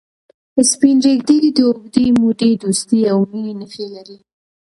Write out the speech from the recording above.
سپین ږیری د اوږدې مودې دوستی او مینې نښې لري